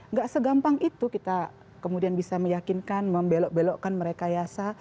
nggak segampang itu kita kemudian bisa meyakinkan membelok belokkan merekayasa